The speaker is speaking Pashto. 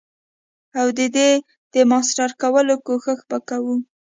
او ددی د ماستر کولو کوښښ به کوو.